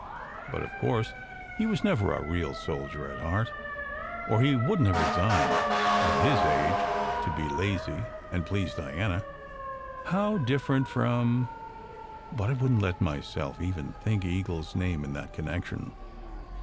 "But, of course, he was never a real soldier at heart, or he wouldn t have resigned, at his age, to be lazy and please Diana! How different from " But I wouldn t let myself even think Eagle s name in that connection.